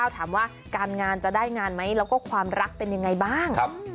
ถามว่าการงานจะได้งานไหมแล้วก็ความรักเป็นยังไงบ้าง